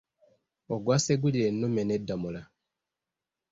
Ogwa Ssegulirennume ne Ddamula.